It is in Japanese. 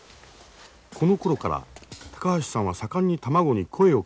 このころから高橋さんは盛んに卵に声をかけるようになった。